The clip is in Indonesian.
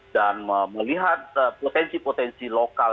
dan melihat potensi potensi lokal